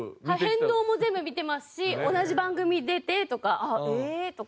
変動も全部見てますし同じ番組出てとか「えーっ！」とか。